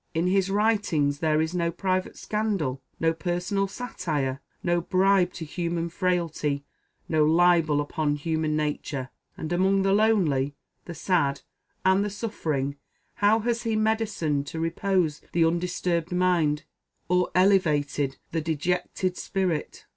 In his writings there is no private scandal no personal satire no bribe to human frailty no libel upon human nature. And among the lonely, the sad, and the suffering, how has he medicined to repose the disturbed mind, or elevated the dejected spirit!